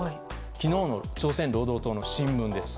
昨日の朝鮮労働党の新聞です。